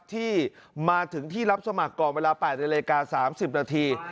ที่มาถึงที่รับสมัครก่อนเวลา๘นาฬิกา๓๐นาที